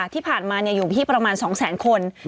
ที่ผ่านมาอยู่ที่ประมาณ๒แสนคน